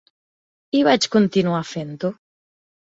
I vaig continuar fent-ho.